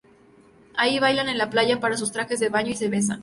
Ahí bailan en la playa con sus trajes de baño y se besan.